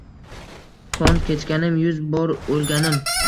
Qon kechganim, yuz bor o’lganim.